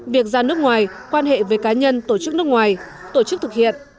việc ra nước ngoài quan hệ với cá nhân tổ chức nước ngoài tổ chức thực hiện